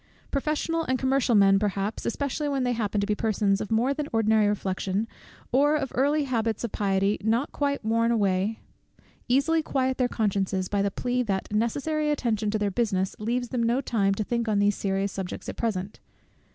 Professional and commercial men perhaps, especially when they happen to be persons of more than ordinary reflection, or of early habits of piety not quite worn away, easily quiet their consciences by the plea, that necessary attention to their business leaves them no time to think on these serious subjects at present.